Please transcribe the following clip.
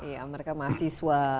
ya mereka mahasiswa